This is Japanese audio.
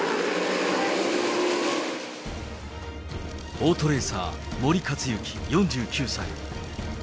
オートレーサー、森且行４９歳。